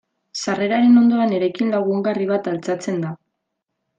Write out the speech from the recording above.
Sarreraren ondoan eraikin lagungarri bat altxatzen da.